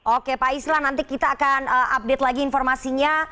oke pak islah nanti kita akan update lagi informasinya